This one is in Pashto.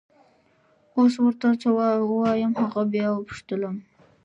اوس ور ته څه ووایم! هغه بیا وپوښتلم.